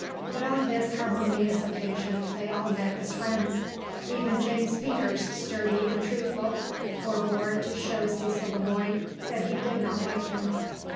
But on this harmonious occasion they all met as friends. Even James Peters, sturdy and truthful, forbore to show Cecil Le Moine that he did not like him.